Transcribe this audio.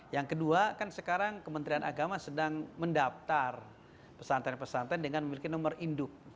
yang kedua kan sekarang kementerian agama sedang mendaftar pesantren pesantren dengan memiliki nomor induk